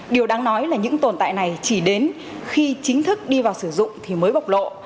điều đáng nói là những tồn tại này chỉ đến khi chính thức đi vào sử dụng thì mới bộc lộ